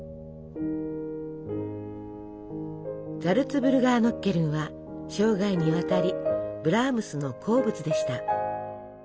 ザルツブルガーノッケルンは生涯にわたりブラームスの好物でした。